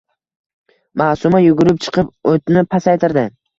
Maʼsuma yugurib chiqib, oʼtni pasaytirdi.